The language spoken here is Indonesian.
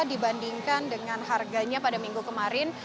dibandingkan dengan harganya pada minggu kemarin